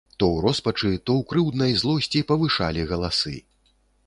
То ў роспачы, то ў крыўднай злосці павышалі галасы.